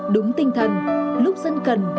đúng tinh thần lúc dân cần